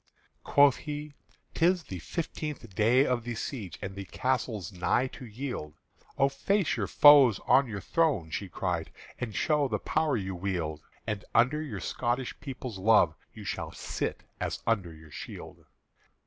Quoth he, "'Tis the fifteenth day of the siege, And the castle's nigh to yield." "O face your foes on your throne," she cried, "And show the power you wield; And under your Scotish people's love You shall sit as under your shield."